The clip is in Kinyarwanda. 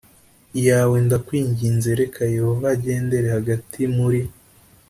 yawe ndakwinginze reka Yehova agendere hagati muri